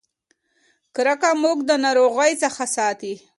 کرکه موږ د ناروغۍ څخه ساتي.